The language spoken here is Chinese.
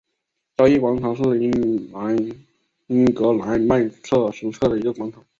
交易广场是英格兰曼彻斯特的一个广场。